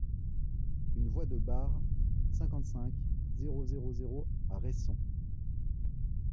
un voie de Bar, cinquante-cinq, zéro zéro zéro à Resson